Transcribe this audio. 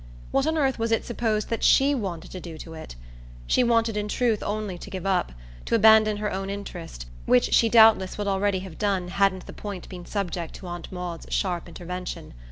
What on earth was it supposed that SHE wanted to do to it? She wanted in truth only to give up to abandon her own interest, which she doubtless would already have done hadn't the point been subject to Aunt Maud's sharp intervention.